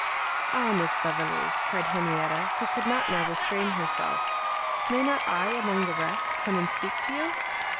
"Ah, Miss Beverley!" cried Henrietta, who could not now restrain herself, "may not I, among the rest, come and speak to you?"